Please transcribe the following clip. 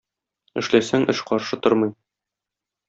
Эшләсәң эш каршы тормый.